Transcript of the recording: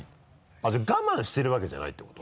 じゃあ我慢してるわけじゃないってこと？